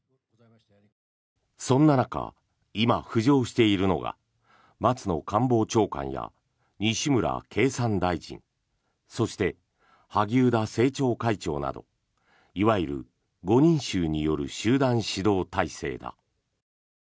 そんな中、今浮上しているのが松野官房長官や西村経産大臣そして萩生田政調会長などいわゆる５人衆による集団指導体制だ。